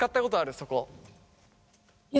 そこ。